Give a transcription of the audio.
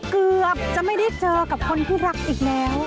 เกือบจะไม่ได้เจอกับคนที่รักอีกแล้ว